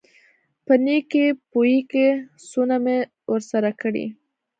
په نېکۍ پوېېږي څونه مې ورسره کړي.